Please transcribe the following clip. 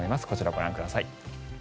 こちら、ご覧ください。